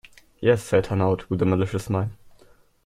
"Yes", said Hanaud, with a malicious smile.